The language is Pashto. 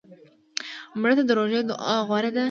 مړه ته د روژې دعا غوره ده